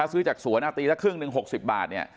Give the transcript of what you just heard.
ซื้อจากสวนตีละครึ่งหนึ่ง๖๐บาท